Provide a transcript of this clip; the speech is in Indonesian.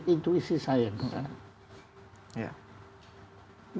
intuisi saya bukan